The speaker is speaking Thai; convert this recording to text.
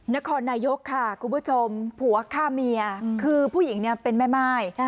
นครนายกค่ะคุณผู้ชมผัวฆ่าเมียคือผู้หญิงเนี่ยเป็นแม่ม่าย